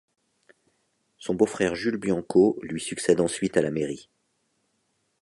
Son beau-frère Jules Bianco lui succède ensuite à la mairie.